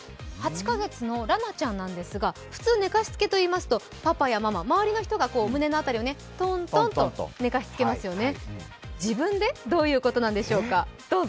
８カ月の蘭愛ちゃんなんですが、普通、寝かしつけといいますとパパやママ、周りの人が胸の辺りをトントンと寝かしつけますよね。